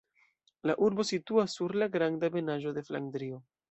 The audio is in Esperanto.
La urbo situas sur la granda ebenaĵo de Flandrio.